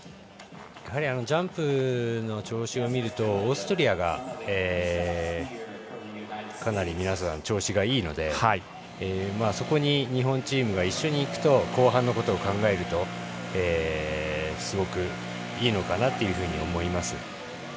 ジャンプの調子を見るとオーストリアがかなり皆さん調子がいいのでそこに日本チームが一緒にいくと後半のことを考えるとすごくいいのかなというふうに思います。